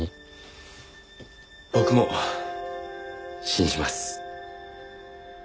僕も信じます。